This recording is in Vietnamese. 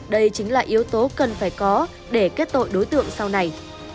đây chính là yếu tố cần phải có để kết tội đối tượng sau này